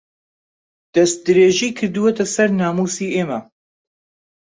دەستدرێژی کردووەتە سەر ناموسی ئێمە